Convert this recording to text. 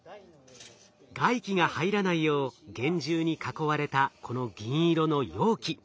外気が入らないよう厳重に囲われたこの銀色の容器。